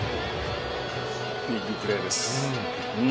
ビッグプレーです。